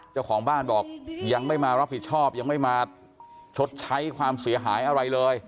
เจ้าของบ้านบอกยังไม่มารับผิดชอบยังไม่มาชดใช้ความเสียหายอะไรเลย